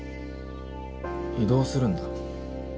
異動するんだ？